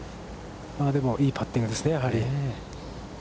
でも、いいパッティングですね、やはり。